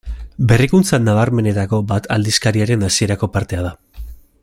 Berrikuntza nabarmenenetako bat aldizkariaren hasierako partea da.